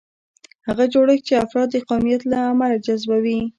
هغه جوړښت چې افراد د قومیت له امله حذفوي.